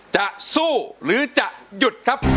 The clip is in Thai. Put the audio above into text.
จะสู้หรือจะหยุดครับ